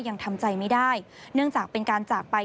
ยังทำใจไม่ได้เนื่องจากเป็นการจากไป